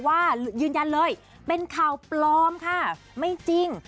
ยืนยันเลยเป็นข่าวปลอมค่ะไม่จริง